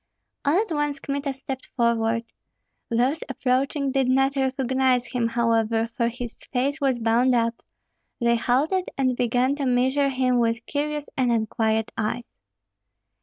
All at once Kmita stepped forward. Those approaching did not recognize him, however, for his face was bound up; they halted, and began to measure him with curious and unquiet eyes.